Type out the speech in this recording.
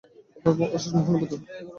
আপনার অশেষ মহানুভবতা।